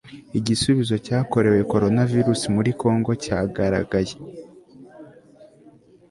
igisubizo cyakorewe coronavirus muri congo cyagaragaye